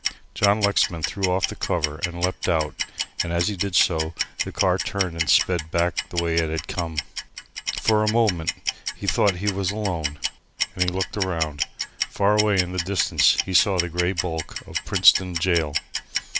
John Lexman threw off the cover and leapt out and as he did so the car turned and sped back the way it had come. For a moment he thought he was alone, and looked around. Far away in the distance he saw the grey bulk of Princetown Gaol.